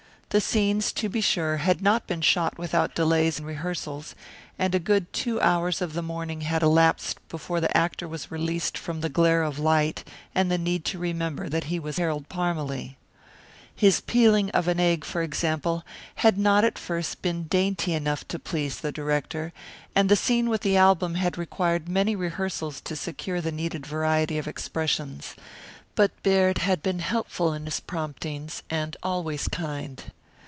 The scenes, to be sure, had not been shot without delays and rehearsals, and a good two hours of the morning had elapsed before the actor was released from the glare of light and the need to remember that he was Harold Parmalee. His peeling of an egg, for example, had not at first been dainty enough to please the director, and the scene with the album had required many rehearsals to secure the needed variety of expressions, but Baird had been helpful in his promptings, and always kind.